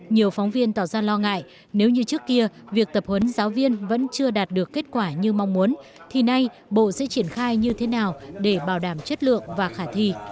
nhiều phóng viên tỏ ra lo ngại nếu như trước kia việc tập huấn giáo viên vẫn chưa đạt được kết quả như mong muốn thì nay bộ sẽ triển khai như thế nào để bảo đảm chất lượng và khả thi